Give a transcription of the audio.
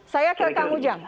saya ke kang ujang